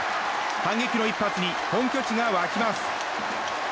反撃の一発に本拠地が沸きます。